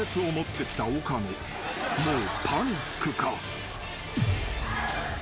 ［もうパニックか？］